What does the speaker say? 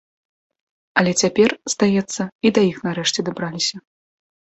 Але цяпер, здаецца, і да іх нарэшце дабраліся.